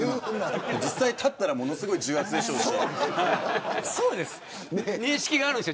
実際に立ったらすごい重圧でしょうし。